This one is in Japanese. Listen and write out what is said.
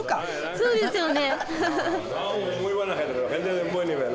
そうですよね。